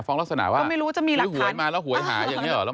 ฟ้องลักษณะว่าหรือหวยมาแล้วหวยหาอย่างนี้เหรอ